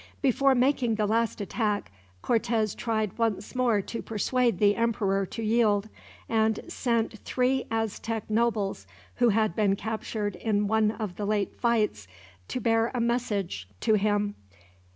Before making the last attack, Cortez tried once more to persuade the emperor to yield; and sent three Aztec nobles, who had been captured in one of the late fights, to bear a message to him.